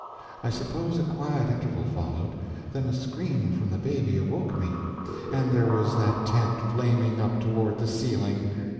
I suppose a quiet interval followed, then a scream from the baby awoke me, and there was that tent flaming up toward the ceiling!